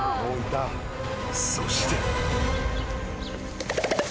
そして］